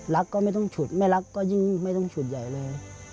ก็ไม่ต้องฉุดไม่รักก็ยิ่งไม่ต้องฉุดใหญ่เลย